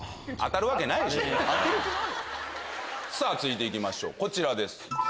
続いて行きましょうこちらです。